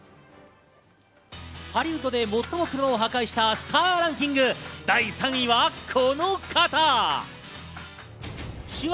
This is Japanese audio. ハリウッドで最も車を破壊したスターランキング、第３位はこの方。